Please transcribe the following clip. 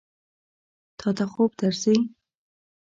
تا ته خوب درځي؟